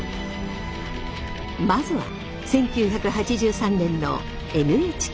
まずは１９８３年の「ＮＨＫニュース」。